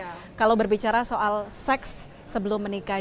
jadi kita harus berbicara soal seks sebelum menikah